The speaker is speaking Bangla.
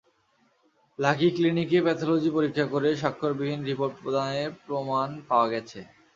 লাকি ক্লিনিকে প্যাথলজি পরীক্ষা করে স্বাক্ষরবিহীন রিপোর্ট প্রদানের প্রমাণ পাওয়া গেছে।